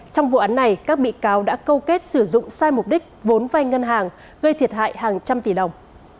trong vụ án này các bị cáo đã câu kết sử dụng sai mục đích vốn vai ngân hàng gây thiệt hại hàng trăm tỷ đồng